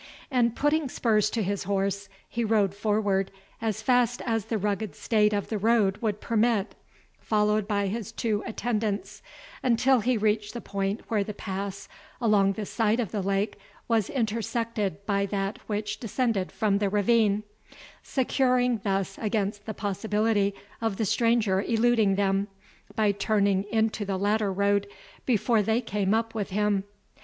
And putting spurs to his horse, he rode forward as fast as the rugged state of the road would permit, followed by his two attendants, until he reached the point where the pass along the side of the lake was intersected by that which descended from the ravine, securing thus against the possibility of the stranger eluding them, by turning into the latter road before they came up with him.